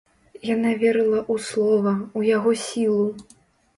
Яна верыла ў слова, у яго сілу.